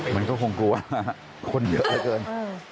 มันก็คงกลัวคนเยอะเท่าไหร่